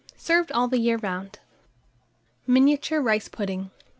Served all the year round. MINIATURE RICE PUDDINGS.